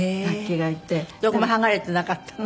どこも剥がれてなかったの？